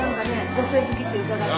女性好きって伺って。